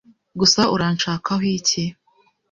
Gusa uranshakaho iki?